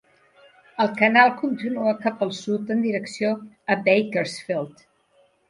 El canal continua cap al sud en direcció a Bakersfield.